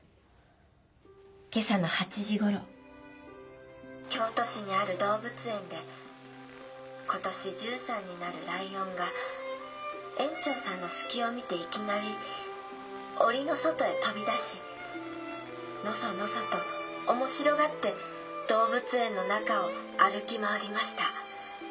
今朝の８時ごろ京都市にある動物園で今年１３になるライオンが園長さんの隙を見ていきなりおりの外へ飛び出しのそのそと面白がって動物園の中を歩き回りました。